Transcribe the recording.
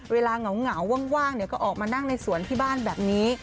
เหงาว่างก็ออกมานั่งในสวนที่บ้านแบบนี้